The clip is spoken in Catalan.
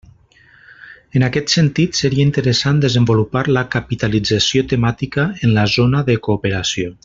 En aquest sentit, seria interessant desenvolupar la capitalització temàtica en la zona de cooperació.